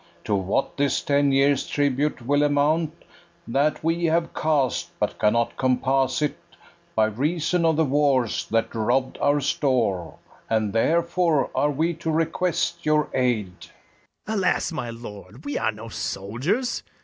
To what this ten years' tribute will amount, That we have cast, but cannot compass it By reason of the wars, that robb'd our store; And therefore are we to request your aid. BARABAS. Alas, my lord, we are no soldiers!